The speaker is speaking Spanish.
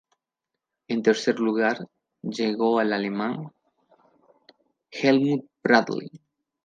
En tercer lugar, llegó al alemán Helmut Bradl.